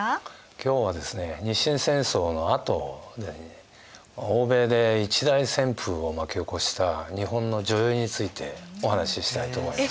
今日はですね日清戦争のあとに欧米で一大旋風を巻き起こした日本の女優についてお話ししたいと思います。